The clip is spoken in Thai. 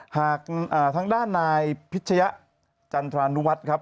หากทางด้านนายพิชยะจันทรานุวัฒน์ครับ